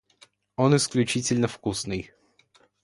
Он исключительно вкусный.